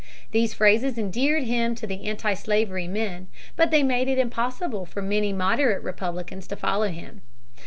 These phrases endeared him to the antislavery men. But they made it impossible for many moderate Republicans to follow him.